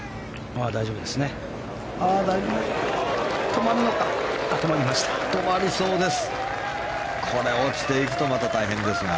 大丈夫ですね。